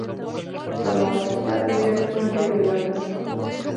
زما و ستا پیژندنه ډېره لڼده وه